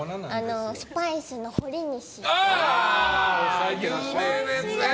スパイスのほりにしっていう。